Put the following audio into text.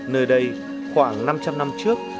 nơi đây khoảng năm trăm linh năm trước